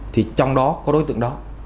thì trong đó có đối tượng đó